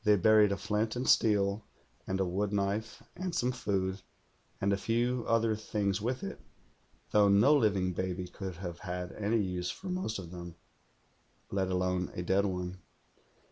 They buried a flint and steel and a woodknife and some food, and a few other things with it, though no living baby could have had any use for most of them, let alone a dead one.